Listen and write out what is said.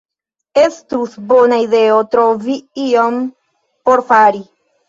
Estus bona ideo trovi ion por fari.